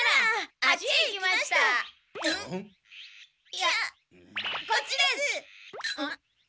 いやこっちで。